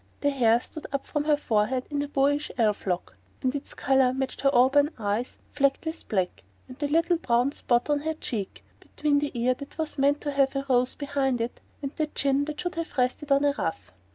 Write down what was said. The hair stood up from her forehead in a boyish elf lock, and its colour matched her auburn eyes flecked with black, and the little brown spot on her cheek, between the ear that was meant to have a rose behind it and the chin that should have rested on a ruff.